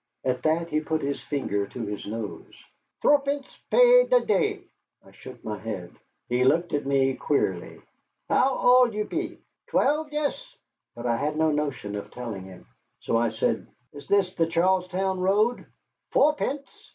At that he put his finger to his nose. "Thruppence py the day." I shook my head. He looked at me queerly. "How old you pe, twelve, yes?" Now I had no notion of telling him. So I said: "Is this the Charlestown road?" "Fourpence!"